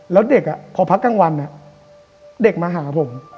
แล้วเด็กพอพักกลางวันเด็กมาหาผม